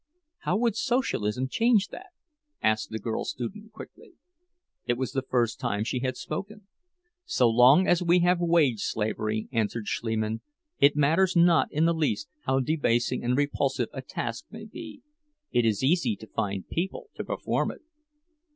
"How would Socialism change that?" asked the girl student, quickly. It was the first time she had spoken. "So long as we have wage slavery," answered Schliemann, "it matters not in the least how debasing and repulsive a task may be, it is easy to find people to perform it.